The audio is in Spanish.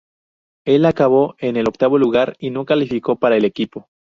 Él acabó en el octavo lugar y no calificó para el equipo.